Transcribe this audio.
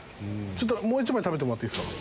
もう１枚食べてもらっていいですか。